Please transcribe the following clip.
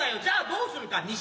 じゃあどうするか？